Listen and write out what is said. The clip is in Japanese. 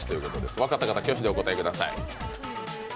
分かった方、挙手でお答えください